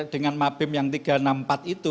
dengan mabim yang tiga ratus enam puluh empat itu